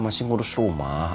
masih ngurus rumah